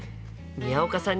宮岡さん